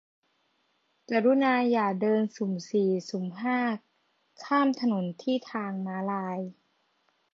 กรุณาอย่าเดินสุ่มสี่สุ่มห้า ข้ามถนนที่ทางม้าลาย